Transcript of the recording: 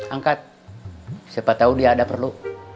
angkat siapa tahu dia ada perlu